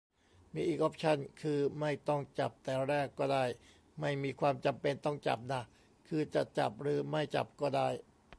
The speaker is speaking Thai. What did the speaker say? มีอีกออปชัน คือไม่ต้องจับแต่แรกก็ได้ ไม่มีความจำเป็นต้องจับน่ะ คือจะจับหรือไม่จับก็ได้